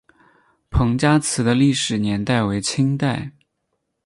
彭家祠的历史年代为清代。